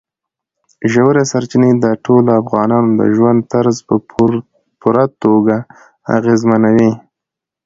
ژورې سرچینې د ټولو افغانانو د ژوند طرز په پوره توګه اغېزمنوي.